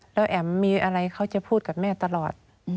แล้วแอ๋มมีอะไรเขาจะพูดกับแม่ตลอด